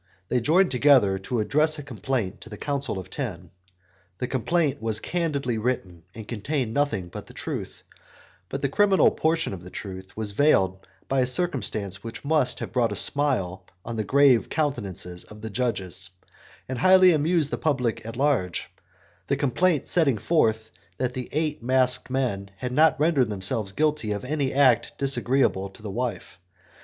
They joined together to address a complaint to the Council of Ten. The complaint was candidly written and contained nothing but the truth, but the criminal portion of the truth was veiled by a circumstance which must have brought a smile on the grave countenances of the judges, and highly amused the public at large: the complaint setting forth that the eight masked men had not rendered themselves guilty of any act disagreeable to the wife.